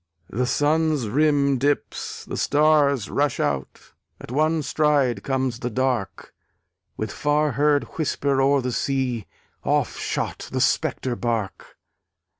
The Sun's rim dips; the stars rush out: At one stride comes the dark; With far heard whisper, o'er the sea, Off shot the spectre bark.